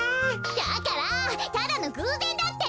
だからただのぐうぜんだって！